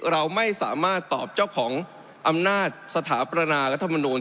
เราไม่สามารถตอบเจ้าของอำนาจสถาปนารัฐมนูล